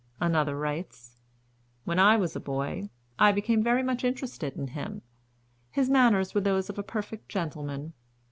Another writes: 'When I was a boy, I became very much interested in him. His manners were those of a perfect gentleman.